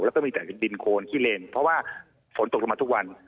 แล้วก็มีแต่ดินโคนขี้เลนเพราะว่าฝนตกลงมาทุกวัน